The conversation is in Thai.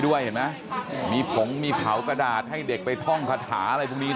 ด้วยเห็นไหมมีผงมีเผากระดาษให้เด็กไปท่องคาถาอะไรพวกนี้